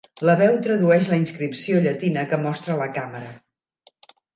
La veu tradueix la inscripció llatina que mostra la càmera.